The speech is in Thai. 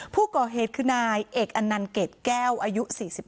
ผู้ก่อเหตุคือนายเอกอันนันเกรดแก้วอายุ๔๒